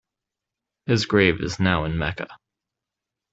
His grave is now in Mecca.